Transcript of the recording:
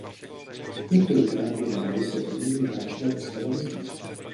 Několikrát během hry se promění hráčova postava ve zvíře.